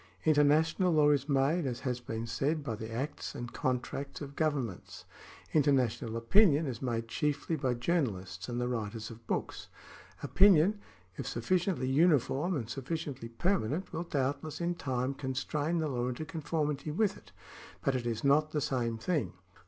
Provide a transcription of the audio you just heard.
Inter national law is made, as has been said, by the acts and con tracts of governments ; international opinion is made chiefly by journalists and the writers of books. Opinion, if sufli § 24J OTHER KINDS OF LAW G'S ciently uniform and sufHciently permanent, will doubtless in time constrain the law into conformity with it ; but it is not the same thing.